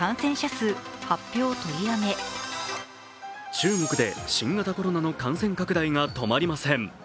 中国で新型コロナの感染拡大が止まりません。